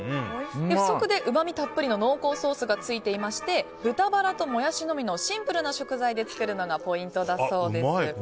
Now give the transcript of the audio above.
付属で、うまみたっぷりの濃厚ソースがついておりまして豚バラとモヤシのみのシンプルな食材で作るのがポイントだそうです。